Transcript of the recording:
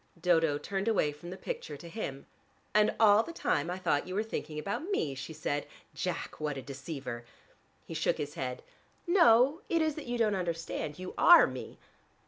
Dodo turned away from the picture to him. "And all the time I thought you were thinking about me!" she said. "Jack, what a deceiver!" He shook his head. "No: it is that you don't understand. You are me.